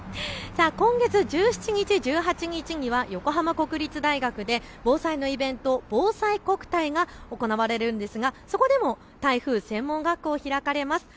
今月１７日、１８日には横浜国立大学で防災のイベント、ぼうさいこくたいが行われるんですがそこでも台風専門学校、開かれます。